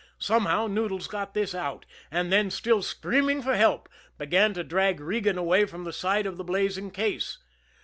Somehow, Noodles got this out, and then, still screaming for help, began to drag Regan away from the side of the blazing case.